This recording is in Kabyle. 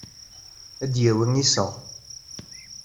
Ad d-yawi iseɣ.